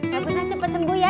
pak benar cepet sembuh ya